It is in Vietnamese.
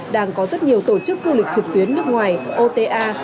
đang có rất nhiều tổ chức du lịch trực tuyến nước ngoài ota